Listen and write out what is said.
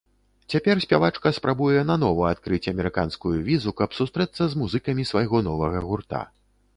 Цяпер спявачка спрабуе нанова адкрыць амерыканскую візу, каб сустрэцца з музыкамі свайго новага гурта.